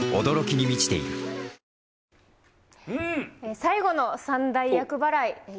最後の三大厄払い